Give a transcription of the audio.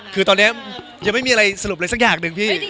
คือตอนนี้ยังไม่มีอะไรสรุปเลยสักอย่างหนึ่งพี่